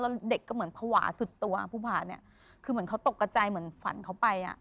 แล้วเด็กก็เหมือนภาวะสุดตัวผู้ผ่าเนี่ยคือเหมือนเขาตกกระจายเหมือนฝันเขาไปอ่ะ